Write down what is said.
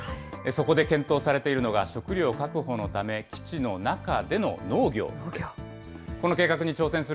そこで検討されているのが、食料確保のため、基地の中での農業なんです。